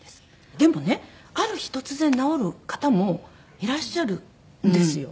でもねある日突然治る方もいらっしゃるんですよ。